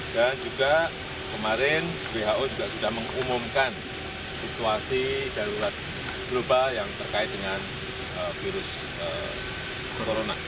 dan juga kemarin who juga sudah mengumumkan situasi darurat global yang terkait dengan virus corona